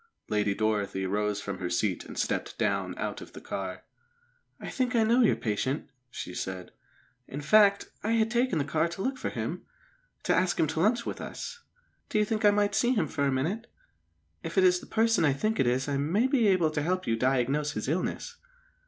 Lady Dorothy rose from her seat and stepped down out of the car. "I think I know your patient," she said. "In fact, I had taken the car to look for him, to ask him to lunch with us. Do you think I might see him for a minute? If it is the person I think it is I may be able to help you diagnose his illness."